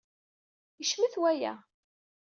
Yecmet waya.